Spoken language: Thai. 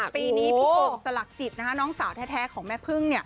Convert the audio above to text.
ปีนี้พี่โอ่งสลักจิตน้องสาวแท้ของแม่พึ่ง